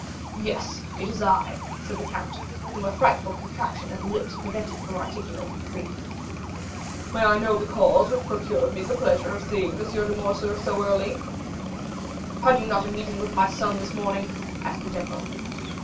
"Yes, it is I," said the count, whom a frightful contraction of the lips prevented from articulating freely. "May I know the cause which procures me the pleasure of seeing M. de Morcerf so early?" "Had you not a meeting with my son this morning?" asked the general.